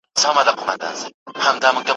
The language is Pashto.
كډي كوم وطن ته وړي دا كور خرابي